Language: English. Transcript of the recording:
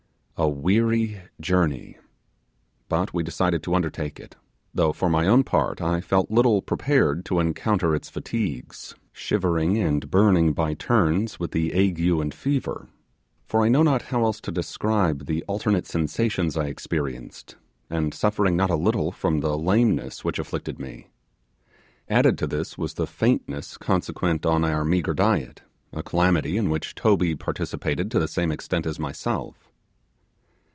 A weary journey! But we decided to undertake it, though, for my own part, I felt little prepared to encounter its fatigues, shivering and burning by turns with the ague and fever; for I know not how else to describe the alternate sensations I experienced, and suffering not a little from the lameness which afflicted me. Added to this was the faintness consequent on our meagre diet a calamity in which Toby participated to the same extent as myself.